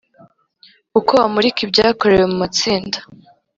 Uko bamurika ibyakorewe mu matsinda